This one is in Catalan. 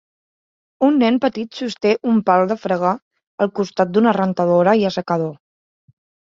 Un nen petit sosté un pal de fregar al costat d'una rentadora i assecador